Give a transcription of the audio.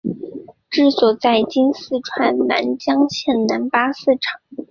治所在今四川南江县南八庙场。